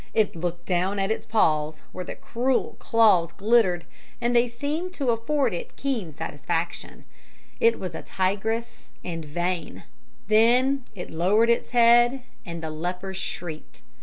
It looked down at its paws, where the cruel claws glittered, and they seemed to afford it keen satisfaction it was a tigress and vain then it lowered its head, and the leper shrieked.